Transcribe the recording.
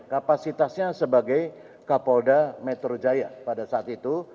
kapasitasnya sebagai kapolda metro jaya pada saat itu